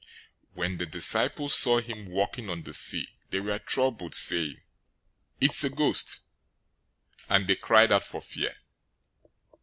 014:026 When the disciples saw him walking on the sea, they were troubled, saying, "It's a ghost!" and they cried out for fear.